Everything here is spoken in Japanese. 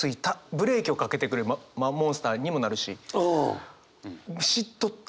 ブレーキをかけてくれるモンスターにもなるし。